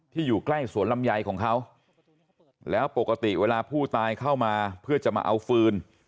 อยู่ใกล้สวนลำไยของเขาแล้วปกติเวลาผู้ตายเข้ามาเพื่อจะมาเอาฟืน